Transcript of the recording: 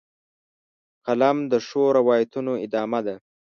قلم د ښو روایتونو ادامه ده